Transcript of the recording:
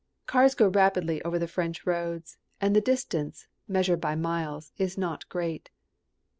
Cars go rapidly over the French roads, and the distance, measured by miles, is not great.